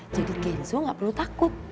jadi genzo gak perlu takut